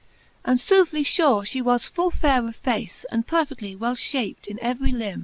And foothly fure {he was full fayre of face, And perfedly well iliapt in every lim.